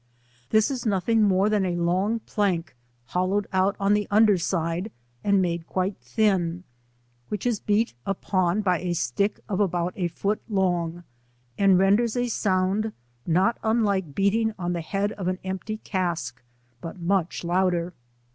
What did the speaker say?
This is nothing more than a long plank hollowed out on the under side and made quite thin, which is beat upon by a stick of about a foot long, and renders a sound not unlike beating on the head of an empty cask, Vut much louder.